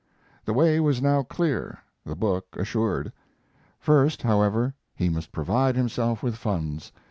The way was now clear, the book assured. First, however, he must provide himself with funds.